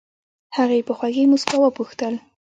هغې په خوږې موسکا وپوښتل.